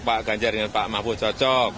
pak ganjar dengan pak mahfud cocok